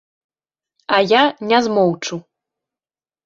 А я не змоўчу.